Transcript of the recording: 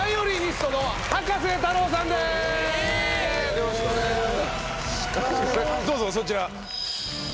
よろしくお願いします。